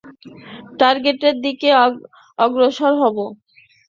টার্গেটের দিকে অগ্রসর হবো।